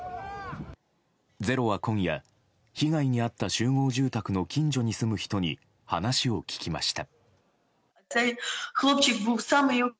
「ｚｅｒｏ」は今夜被害に遭った集合住宅の近所に住む人に話を聞きました。